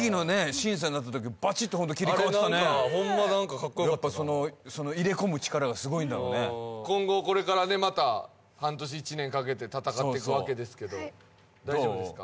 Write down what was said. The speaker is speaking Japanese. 審査になったときバチッてホント切り替わってたねやっぱその入れ込む力がすごいんだろうね今後これからねまた半年１年かけて戦ってくわけですけど大丈夫ですか？